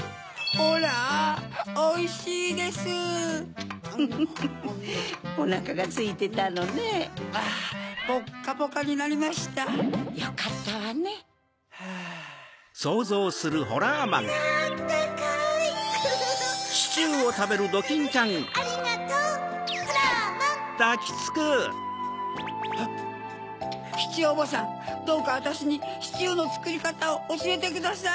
ホラーマンシチューおばさんどうかあたしにシチューのつくりかたをおしえてください。